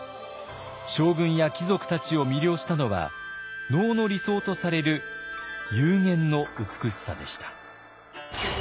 将軍や貴族たちを魅了したのは能の理想とされる幽玄の美しさでした。